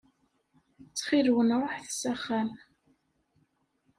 Ttxil-wen ruḥet s axxam.